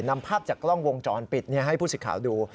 นำภาพจากกล้องวงจรปิดให้ผู้สิทธิ์ข่าวดู